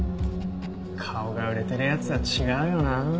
顔が売れてる奴は違うよな。